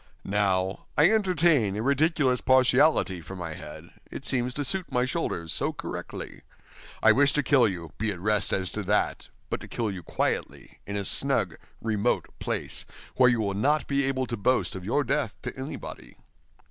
Now, I entertain a ridiculous partiality for my head, it seems to suit my shoulders so correctly. I wish to kill you, be at rest as to that, but to kill you quietly in a snug, remote place, where you will not be able to boast of your death to anybody."